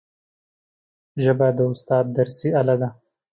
ژبه د استاد درسي آله ده